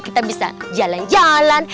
kita bisa jalan jalan